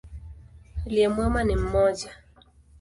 Aliye mwema ni mmoja.